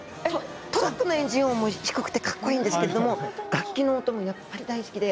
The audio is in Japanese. トラックのエンジン音も低くてかっこいいんですけど楽器の音も大好きで。